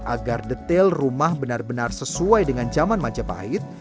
agar detail rumah benar benar sesuai dengan zaman majapahit